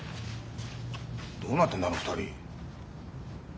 どうなってんだあの２人。